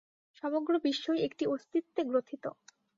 সমগ্র বিশ্বই একটি অস্তিত্বে গ্রথিত।